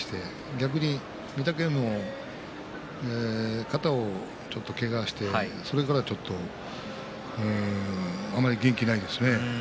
逆に御嶽海も肩をちょっとけがしてそれからあまり元気ないですね。